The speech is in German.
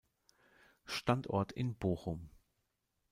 Standort in Bochum.